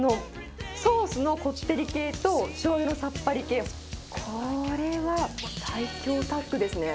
ソースのこってり系としょうゆのさっぱり系、これは最強タッグですね。